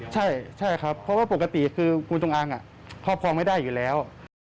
ใช่ครับเพราะว่าปกติคืองูจงอางครอบครองไม่ได้อยู่แล้ว